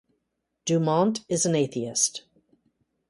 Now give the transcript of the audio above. Dumont is an atheist.